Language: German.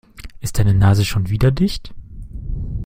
Ist deine Nase schon wieder dicht?